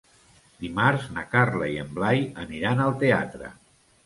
Dimarts na Carla i en Blai aniran al teatre.